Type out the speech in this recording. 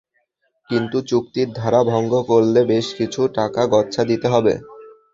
কিন্তু চুক্তির ধারা ভঙ্গ করলে বেশ কিছু টাকা গচ্চা দিতে হবে।